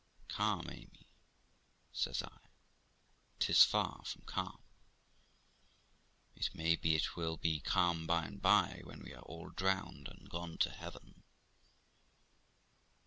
'Calm, Amy!' says I. 'Tis far from calm. It may be it will be calm by and by, when we are all drowned and gone to heaven.'